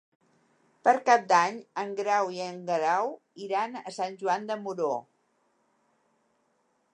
Per Cap d'Any en Grau i en Guerau iran a Sant Joan de Moró.